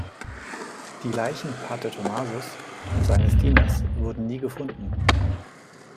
Die Leichen Pater Tomasos und seines Dieners wurden nie gefunden.